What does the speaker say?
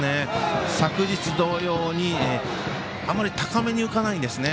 昨日同様にあまり高めに浮かないんですね。